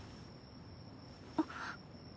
あっ。